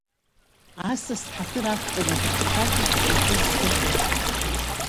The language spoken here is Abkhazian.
Асас ҳаҭыр ақәҵаны дахцәажәеит снапы зсыркыз.